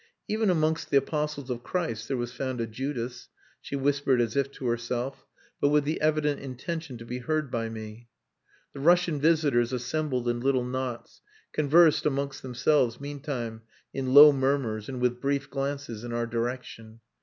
"Even amongst the Apostles of Christ there was found a Judas," she whispered as if to herself, but with the evident intention to be heard by me. The Russian visitors assembled in little knots, conversed amongst themselves meantime, in low murmurs, and with brief glances in our direction.